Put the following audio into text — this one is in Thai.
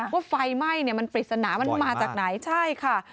ไฟไหม้มันปริศนามันมาจากไหนใช่ค่ะ